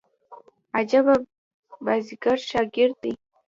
عجبه بازيګر شاګرد دئ.